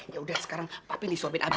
ya udah sekarang papi nih suapin abi